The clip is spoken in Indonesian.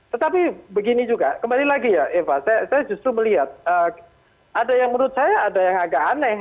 tetapi begini juga kembali lagi ya eva saya justru melihat ada yang menurut saya ada yang agak aneh